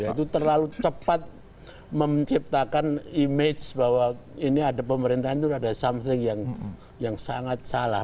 itu terlalu cepat menciptakan image bahwa ini ada pemerintahan itu ada something yang sangat salah